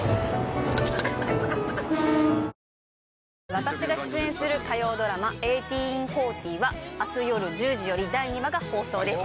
私が出演する火曜ドラマ「１８／４０」は明日よる１０時より第２話が放送です